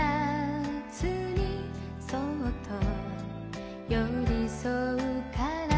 「そっと寄りそうから」